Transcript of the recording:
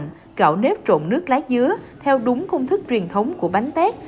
gạo nếp trộn nước lá dứa theo đúng công thức truyền thống của bánh tét